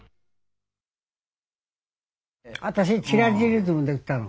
私チラリズムで売ってたの。